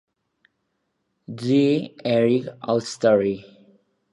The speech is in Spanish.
Die Erik Ode Story".